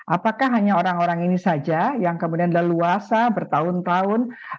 apakah hanya orang orang ini saja yang kemudian leluasa bertahun tahun